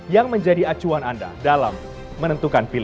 yang menjadi acuan anda dalam menentukan pilihan